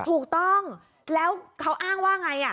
ถูกต้องแล้วเขาอ้างว่าไง